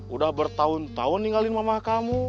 udah bertahun tahun ninggalin mama kamu